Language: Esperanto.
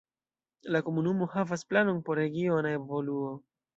La komunumo havas planon por regiona evoluo.